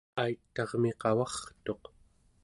aitarmi qavartuq